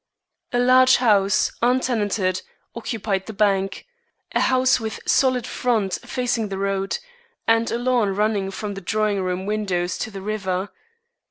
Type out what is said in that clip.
A large house, untenanted, occupied the bank, a house with solid front facing the road, and a lawn running from the drawing room windows to the river.